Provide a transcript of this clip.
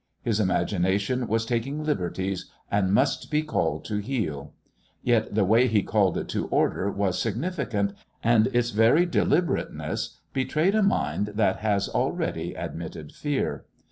His imagination was taking liberties and must be called to heel. Yet the way he called it to order was significant, and its very deliberateness betrayed a mind that has already admitted fear.